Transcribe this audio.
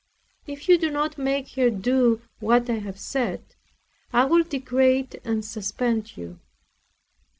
If you do not make her do what I have said, I will degrade and suspend you.